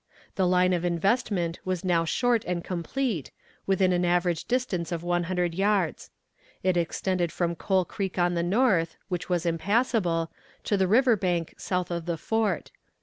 The line of investment was now short and complete, within an average distance of one hundred yards. It extended from Coal Creek on the north, which was impassable, to the river bank south of the fort.